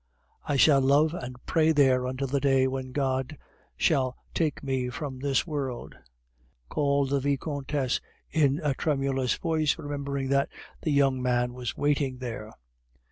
I shall love and pray there until the day when God shall take me from this world. M. de Rastignac!" called the Vicomtesse, in a tremulous voice, remembering that the young man was waiting there.